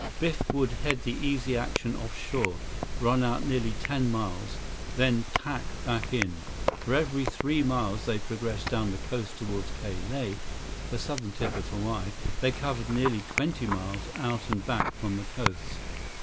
Biff would head the Easy Action off shore, run out nearly ten miles, then tack back in. For every three miles they progressed down the coast toward Ka Lae, the southern tip of Hawaii, they covered nearly twenty miles out and back from the coast.